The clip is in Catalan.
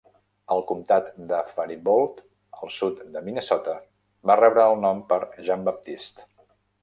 El comtat de Faribault, al sud de Minnesota, va rebre el nom per Jean-Baptiste.